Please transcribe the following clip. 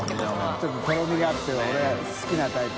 ちょっととろみがあって俺好きなタイプ。